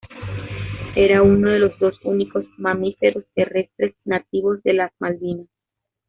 Era uno de los dos únicos mamíferos terrestres nativos de las Malvinas.